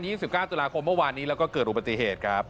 ๒๙ตุลาคมเมื่อวานนี้แล้วก็เกิดอุบัติเหตุครับ